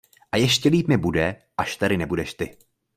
A ještě líp mi bude, až tady nebudeš ty.